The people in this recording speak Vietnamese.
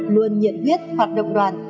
luôn nhận huyết hoạt động đoàn